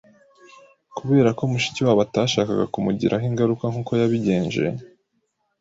kuberako mushikiwabo atashakaga kumugiraho ingaruka nkuko yabigenje